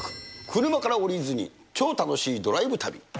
車から降りずに超楽しいドライブ旅。